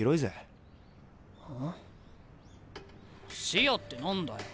視野って何だよ。